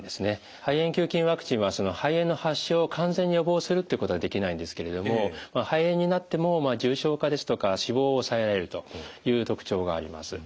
肺炎球菌ワクチンは肺炎の発症を完全に予防するっていうことはできないんですけれども肺炎になっても重症化ですとか死亡を抑えられるという特徴があります。